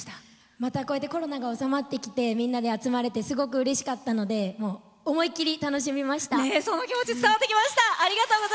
またこうやってコロナが収まってきてみんなで集まれてすごくうれしかったので思いっきり楽しみました。